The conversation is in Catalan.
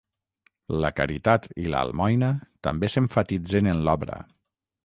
La caritat i l'almoina també s'emfatitzen en l'obra.